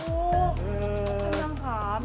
oh kenang kenang pak